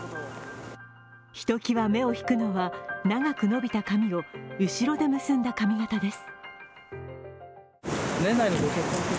ひときわ目を引くのは長く伸びた髪を後ろで結んだ髪型です。